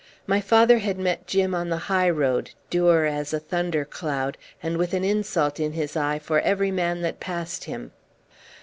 My father had met Jim on the highroad, dour as a thunder cloud, and with an insult in his eye for every man that passed him.